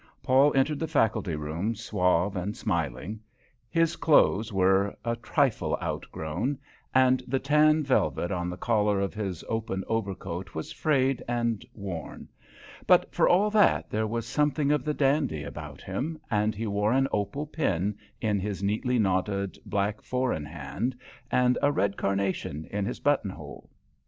Paul entered the faculty room suave and smiling. His clothes were a trifle out grown, and the tan velvet on the collar of his open overcoat was frayed and worn; but for all that there was something of the dandy about him, and he wore an opal pin in his neatly knotted black four in hand, and a red carnation in his button hole.